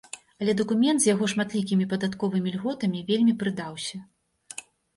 Але дакумент з яго шматлікімі падатковымі льготамі вельмі прыдаўся.